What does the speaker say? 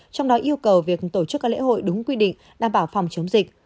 trong đó yêu cầu việc tổ chức các lễ hội đúng quy định đảm bảo phòng chống dịch